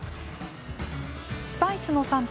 スパイスの産地